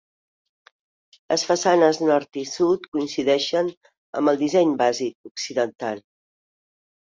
Les façanes nord i sud coincideixen amb el disseny bàsic occidental.